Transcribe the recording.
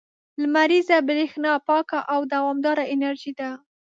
• لمریزه برېښنا پاکه او دوامداره انرژي ده.